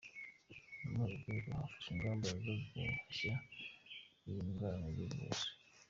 Ni muri urwo rwego hafashwe ingamba zo guhashya iyi ndwara mu gihugu hose.